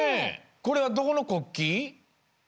これはどこの国旗？